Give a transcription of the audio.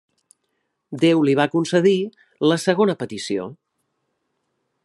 Déu li va concedir la segona petició.